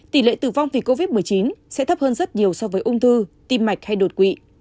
tỷ lệ tử vong vì covid một mươi chín sẽ thấp hơn rất nhiều so với ung thư tim mạch hay đột quỵ